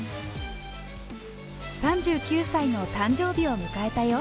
３９歳の誕生日を迎えたよ。